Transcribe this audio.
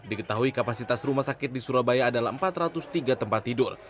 diketahui kapasitas rumah sakit di surabaya adalah empat ratus tiga tempat tidur